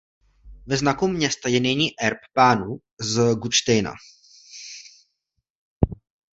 Ve znaku města je nyní erb pánů z Gutštejna.